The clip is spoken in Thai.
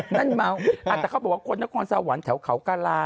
อ๋อนั่นเธอเมา